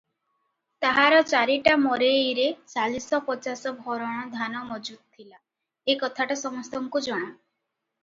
ତାହାର ଚାରିଟା ମରେଇରେ ଚାଳିଶ ପଚାଶ ଭରଣ ଧାନ ମଜୁଦ ଥିଲା, ଏ କାଥାଟା ସମସ୍ତଙ୍କୁ ଜଣା ।